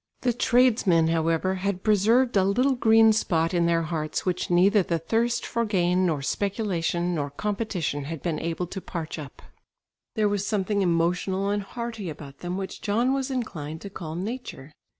The tradesmen, however, had preserved a little green spot in their hearts which neither the thirst for gain nor speculation nor competition had been able to parch up. There was something emotional and hearty about them which John was inclined to call "nature."